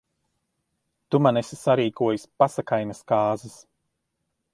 Tu man esi sarīkojis pasakainas kāzas.